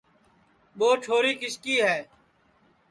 ٻو چھوری کِس کی ہے